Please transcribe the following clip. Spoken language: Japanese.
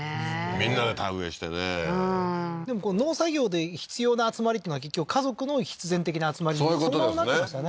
みんなで田植えしてねうんでも農作業で必要な集まりっていうのは結局家族の必然的な集まりそのままなってましたね